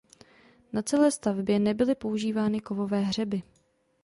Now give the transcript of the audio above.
Na celé stavbě nebyly používány kovové hřeby.